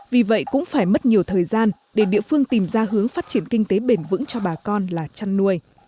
vì vậy cũng phải mất nhiều thời gian để địa phương tìm ra hướng phát triển kinh tế bền vững cho bà con là chăn nuôi